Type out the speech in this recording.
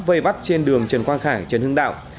vây bắt trên đường trần quang khải trần hưng đạo